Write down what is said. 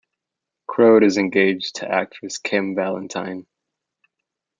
Croad is engaged to actress Kym Valentine.